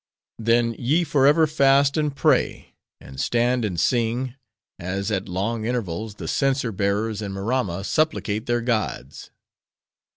"Then, ye forever fast and pray; and stand and sing; as at long intervals the censer bearers in Maramma supplicate their gods."